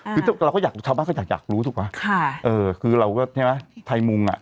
คือเราก็อยากชาวบ้านก็อยากอยากรู้ถูกไหมค่ะเออคือเราก็ใช่ไหมไทยมุงอ่ะ